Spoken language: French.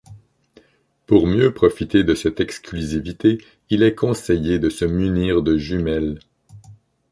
Pour mieux profiter de cette exclusivité il est conseillé de se munir de jumelles.